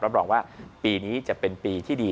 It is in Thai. รับรองว่าปีนี้จะเป็นปีที่ดี